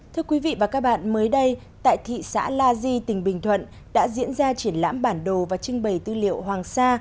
thưa quý vị và các bạn mới đây tại thị xã la di tỉnh bình thuận đã diễn ra triển lãm bản đồ và trưng bày tư liệu hoàng sa